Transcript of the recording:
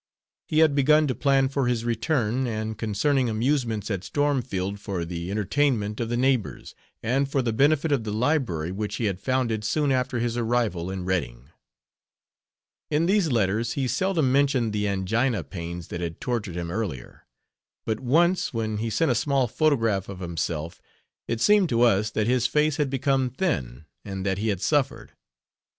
He had begun to plan for his return, and concerning amusements at Stormfield for the entertainment of the neighbors, and for the benefit of the library which he had founded soon after his arrival in Redding. In these letters he seldom mentioned the angina pains that had tortured him earlier. But once, when he sent a small photograph of himself, it seemed to us that his face had become thin and that he had suffered.